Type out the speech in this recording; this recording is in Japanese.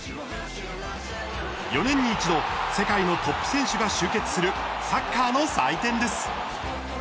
４年に一度世界のトップ選手が集結するサッカーの祭典です。